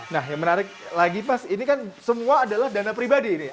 nah yang menarik lagi mas ini kan semua adalah dana pribadi ini